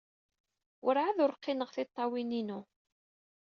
Werɛad ur qqineɣ tiṭṭawin-inu.